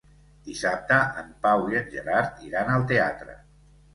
Dissabte en Pau i en Gerard iran al teatre.